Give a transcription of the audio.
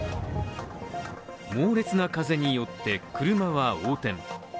猛烈な風によって車は横転。